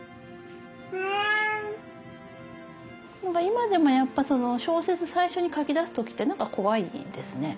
だから今でもやっぱ小説最初に書きだす時って何か怖いですね。